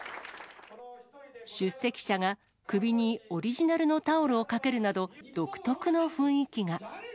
出席者が首にオリジナルのタオルをかけるなど、独特の雰囲気が。